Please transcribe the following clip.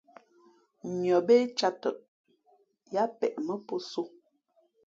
Nʉα bé cāt tαʼ, yáā peʼ mά pō sō.